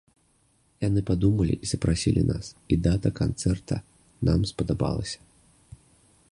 Яны падумалі і запрасілі нас, і дата канцэрта нам спадабалася.